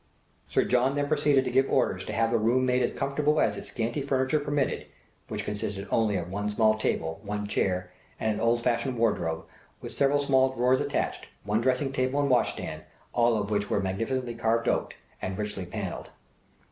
Sir John then proceeded to give orders to "have the room made as comfortable as its scanty furniture permitted," which consisted only of one small table, one chair, and an old fashioned wardrobe, with several small drawers attached, one dressing table and wash stand, all of which were magnificently carved oak and richly panelled.